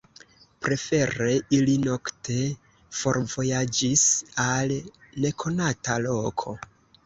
Prefere ili nokte forvojaĝis al nekonata loko.